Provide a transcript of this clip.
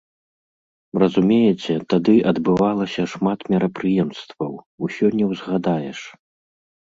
Разумееце, тады адбывалася шмат мерапрыемстваў, усё не ўзгадаеш.